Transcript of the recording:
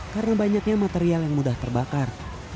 karena banyaknya material yang mudah terbakar